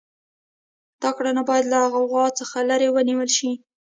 دا کړنه باید له غوغا څخه لرې ونیول شي.